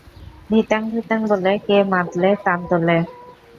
ধিতাং ধিতাং বলে কে মাদলে তান তোলে?